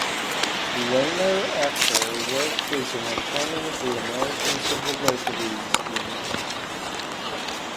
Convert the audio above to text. Wainer Apter worked as an attorney at the American Civil Liberties Union.